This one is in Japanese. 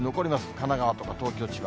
神奈川とか東京、千葉。